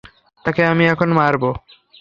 তাকে আমি এখন মারবো?